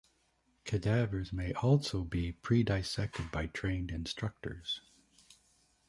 Cadavers may also be predissected by trained instructors.